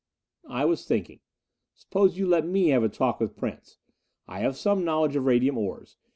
"I was thinking. Suppose you let me have a talk with Prince? I have some knowledge of radium ores.